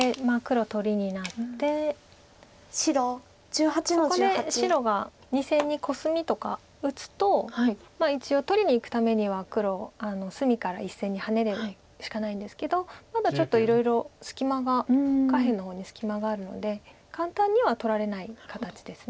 そこで白が２線にコスミとか打つと一応取りにいくためには黒隅から１線にハネるしかないんですけどまだちょっといろいろ下辺の方に隙間があるので簡単には取られない形です。